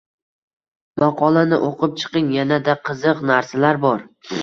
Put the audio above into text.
Maqolani oʻqib chiqing, yanada qiziq narsalar bor.